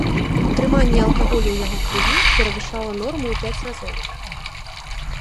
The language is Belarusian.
Утрыманне алкаголю ў яго крыві перавышала норму ў пяць разоў.